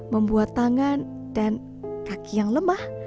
membuat tangan dan kaki yang lemah